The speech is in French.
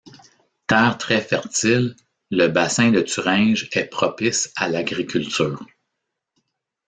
Terre très fertile, le bassin de Thuringe est propice à l'agriculture.